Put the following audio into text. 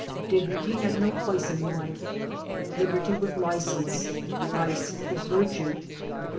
Dignity had no place in life; liberty was license; vice was virtue.